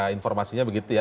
informasinya begitu ya